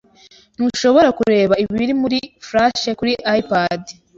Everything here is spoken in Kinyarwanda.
Ntushobora kureba ibiri muri Flash kuri iPad.